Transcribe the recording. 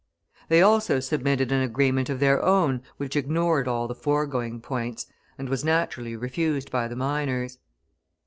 They also submitted an agreement of their own which ignored all the foregoing points, and was, naturally, refused by the miners.